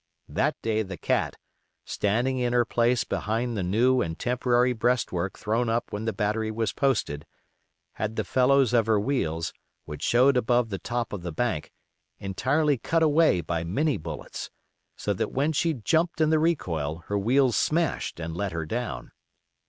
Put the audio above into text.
That day the Cat, standing in her place behind the new and temporary breastwork thrown up when the battery was posted, had the felloes of her wheels, which showed above the top of the bank, entirely cut away by Minie bullets, so that when she jumped in the recoil her wheels smashed and let her down.